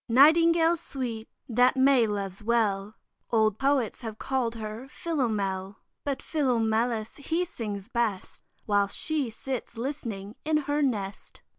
Nightingale sweet, that May loves well, Old Poets have call'd her Philomel, But Philomelus, he sings best, While she sits listening in her nest.